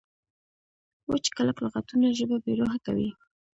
وچ کلک لغتونه ژبه بې روحه کوي.